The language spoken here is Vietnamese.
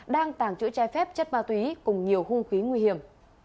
đang tàng trữ trái phép chất ma túy cùng nhiều hung khí nguy hiểm